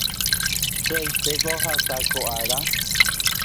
pya'etéiko ohasa ko ára